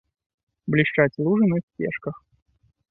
Блішчаць лужы на сцежках.